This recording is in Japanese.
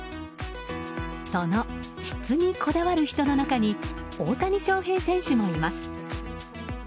その質にこだわる人の中に大谷翔平選手もいます。